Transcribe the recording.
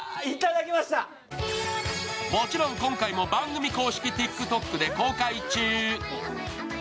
もちろん今回も番組公式ＴｉｋＴｏｋで公開中。